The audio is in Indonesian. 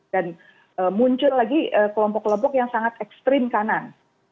dan muncul lagi kelompok kelompok yang sangat ekstrim kanan